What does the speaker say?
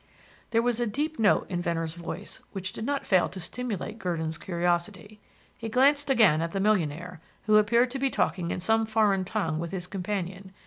There was a deep note in Venner's voice that did not fail to stimulate Gurdon's curiosity. He glanced again at the millionaire, who appeared to be talking in some foreign tongue with his companion.